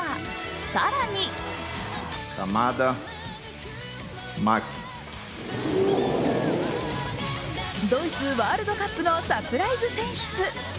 更にドイツワールドカップのサプライズ選出。